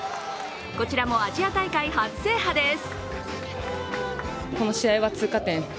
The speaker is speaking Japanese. こちらもアジア大会初制覇です。